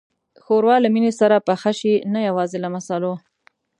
ښوروا له مینې سره پخه شي، نه یوازې له مصالحو.